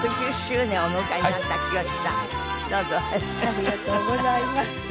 ありがとうございます。